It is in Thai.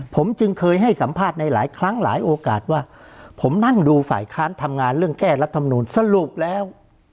ผมจึงเคยให้สัมภาษณ์ในหลายครั้งหลายโอกาสว่าผมนั่งดูฝ่ายค้านทำงานเรื่องแก้รัฐมนูลสรุปแล้ว